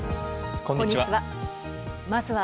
こんにちは。